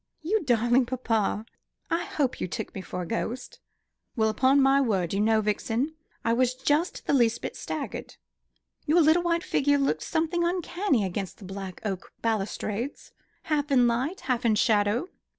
You darling papa! I hope you took me for a ghost!" "Well, upon my word, you know, Vixen, I was just the least bit staggered. Your little white figure looked like something uncanny against the black oak balustrades, half in light, half in shadow."